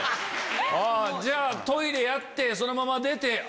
じゃあトイレやってそのまま出て。